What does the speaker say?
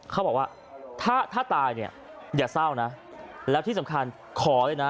เขาบอกว่าถ้าถ้าตายเนี่ยอย่าเศร้านะแล้วที่สำคัญขอเลยนะ